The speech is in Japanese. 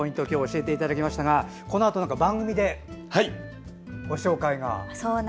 今日、教えていただきましたがこのあと、番組のご紹介が。